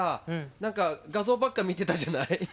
何か画像ばっか見てたじゃない。